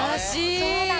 そうなの。